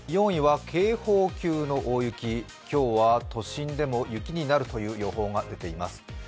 ４位は警報級の大雪、今日は都心でも雪になるという予報が出ています。